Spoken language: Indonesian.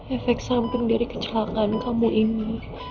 efek samping dari kecelakaan kamu ini